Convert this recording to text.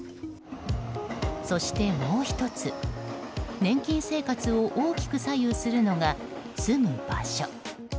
そして、もう１つ年金生活を大きく左右するのが住む場所。